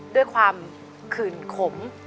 ด้วยความขื่นขม